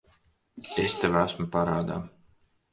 Es tev esmu parādā.